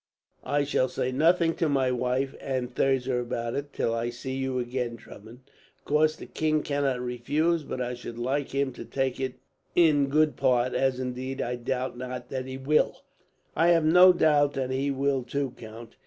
"I shall say nothing to my wife and Thirza about it, till I see you again, Drummond. Of course the king cannot refuse, but I should like him to take it in good part; as indeed, I doubt not that he will." "I have no doubt that he will, too, count.